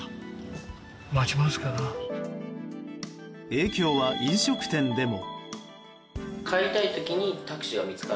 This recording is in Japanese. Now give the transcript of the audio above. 影響は飲食店でも。